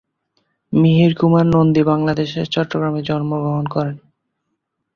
মিহির কুমার নন্দী বাংলাদেশের চট্টগ্রামে জন্মগ্রহণ করেন।